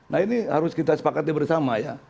nah ini harus kita sepakati bersama ya